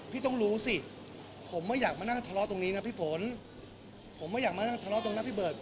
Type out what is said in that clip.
พี่ต้องรู้สิผมไม่อยากมานั่งทะเลาะตรงนี้นะพี่ฝนผมไม่อยากมาทะเลาะตรงนั้นพี่เบิร์ต